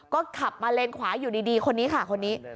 ก็ขับมาเลนขวาอยู่ดีคนนี้ค่ะคนนี้